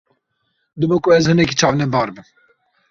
Dibe ku ez hinekî çavnebar bim.